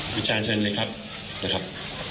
วิชาเชิญเลยครับ